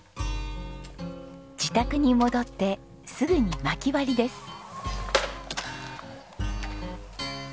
自宅に戻ってすぐに薪割りです。